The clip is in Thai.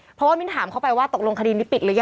เพราะว่ามิ้นถามเข้าไปว่าตกลงคดีนี้ปิดหรือยัง